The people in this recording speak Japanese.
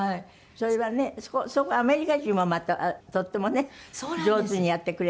それはねアメリカ人もまたとってもね上手にやってくれる。